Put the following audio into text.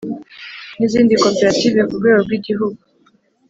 N izindi koperative ku rwego rw igihugu